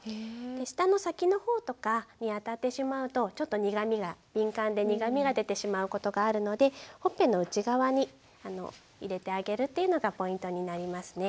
舌の先の方とかに当たってしまうとちょっと苦みが敏感で苦みが出てしまうことがあるのでほっぺの内側に入れてあげるというのがポイントになりますね。